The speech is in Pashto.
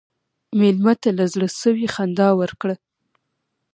مېلمه ته له زړه سوي خندا ورکړه.